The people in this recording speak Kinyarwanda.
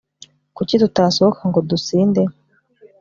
kuki tutasohoka ngo dusinde